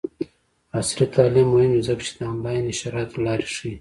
عصري تعلیم مهم دی ځکه چې د آنلاین نشراتو لارې ښيي.